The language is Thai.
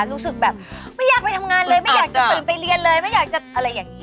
รู้สึกแบบไม่อยากไปทำงานเลยไม่อยากจะตื่นไปเรียนเลยไม่อยากจะอะไรอย่างนี้